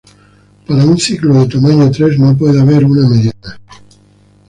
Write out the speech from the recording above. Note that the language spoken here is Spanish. Para una ciclo de tamaño tres, no puede haber una mediana.